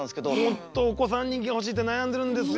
もっとお子さん人気が欲しいって悩んでるんですよ。